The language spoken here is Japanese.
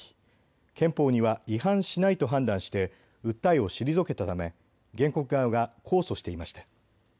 憲法には違反しないと判断して訴えを退けたため原告側が控訴していました。